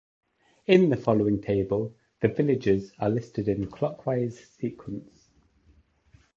In the following table, the villages are listed in clockwise sequence.